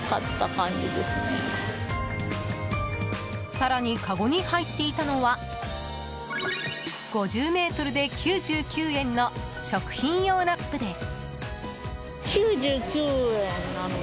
更に、かごに入っていたのは５０ｍで９９円の食品用ラップです。